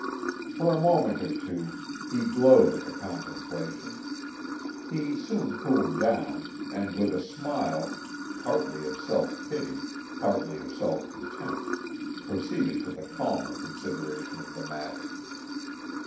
For a moment or two he glowed at the contemplation. He soon cooled down, and with a smile, partly of self pity, partly of self contempt, proceeded to the calmer consideration of the matter.